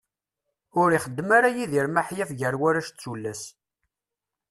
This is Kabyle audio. Ur ixeddem ara Yidir maḥyaf gar warrac d tullas.